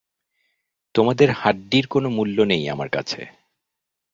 তোমাদের হাড্ডির কোনো মূল্য নেই আমার কাছে।